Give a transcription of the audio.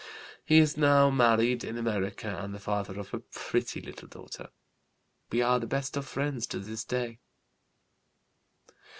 He is now married in America, and the father of a pretty little daughter. We are the best of friends to this day.